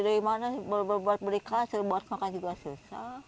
dari mana berbuat beli kasir buat makan juga susah